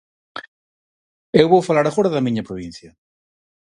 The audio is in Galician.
Eu vou falar agora da miña provincia.